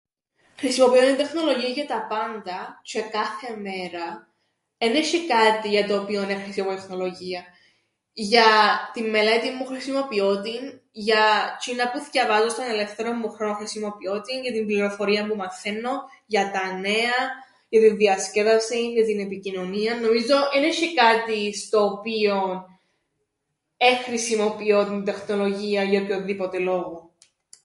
Χρησιμοποιώ την τεχνολογίαν για τα πάντα τζ̌αι κάθε μέρα, εν έσ̆ει κάτι για το οποίον εν χρησιμοποιήσω την τεχνολογίαν, για την μελέτην μου χρησιμοποιώ την, για τζ̌είνα που θκιαβάζω στον ελεύθερον μου χρόνον χρησιμοποιώ την, για την πληροφορία που μαθαίννω, για τα νέα, για την διασκέδασην, για την επικοινωνίαν, νομίζω εν έσ̆ει κάτι στο οποίον εν χρησιμοποιώ την τεχνολογίαν για οποιονδήποτεν λόγον.